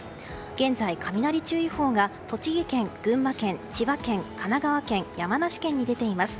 現在、雷注意報が栃木県、群馬県、千葉県神奈川県、山梨県に出ています。